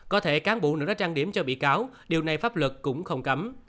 có thể cán bộ nữ ra trang điểm cho bị cáo điều này pháp luật cũng không cấm